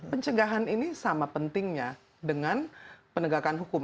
pencegahan ini sama pentingnya dengan penegakan hukum